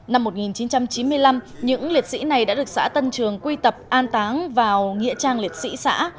năm một nghìn chín trăm chín mươi năm những liệt sĩ này đã được xã tân trường quy tập an táng vào nghĩa trang liệt sĩ xã